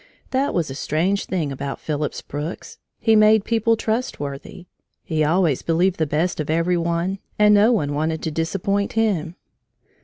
That was a strange thing about Phillips Brooks he made people trust worthy. He always believed the best of every one, and no one wanted to disappoint him.